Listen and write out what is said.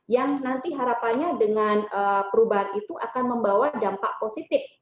yang nanti harapannya dengan perubahan itu akan membawa dampak positif